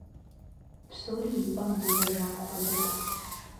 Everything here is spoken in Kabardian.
Псори и пӏэм иувэжам хуэдэт.